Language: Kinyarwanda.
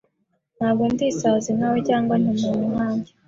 Ntabwo ndi isazi nkaweCyangwa nturi umuntu nkanjye